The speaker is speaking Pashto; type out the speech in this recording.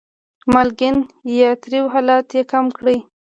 مالګین یا تریو حالت یې کم کړي.